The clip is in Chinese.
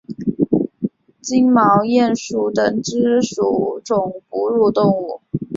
金毛鼹属等之数种哺乳动物。